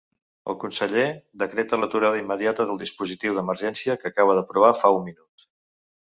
El conseller decreta l'aturada immediata del dispositiu d'emergència que acaba d'aprovar fa un minut.